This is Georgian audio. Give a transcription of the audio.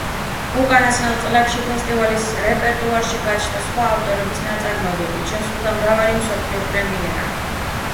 უკანასკნელ წლებში ფესტივალის რეპერტუარში გაჩნდა სხვა ავტორების ნაწარმოებებიც, შესრულდა მრავალი მსოფლიო პრემიერა.